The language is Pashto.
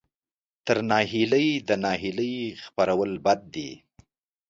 تر ناهیلۍ د ناهیلۍ خپرول بد دي.